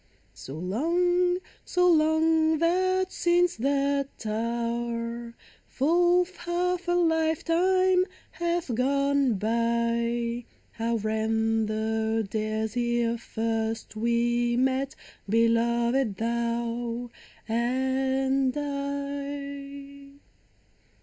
So long, so long that since that hour Fulf half a lifetime hath gone by — How ran the days ere first we met, Beloved, thou and I ?